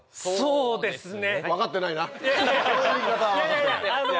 そうですね。